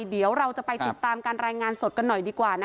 เดี๋ยวเราจะไปติดตามการรายงานสดกันหน่อยดีกว่านะ